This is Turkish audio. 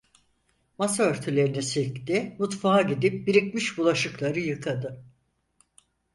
Masa örtülerini silkti, mutfağa gidip birikmiş bulaşıkları yıkadı.